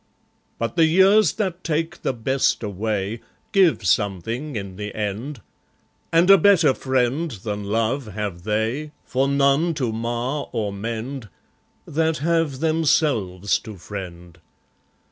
But the years, that take the best away, Give something in the end; And a better friend than love have they, For none to mar or mend, That have themselves to friend.